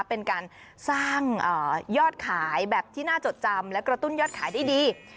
เป็นการสร้างยอดขายแบบที่น่าจดจำและกระตุ้นยอดขายได้ดี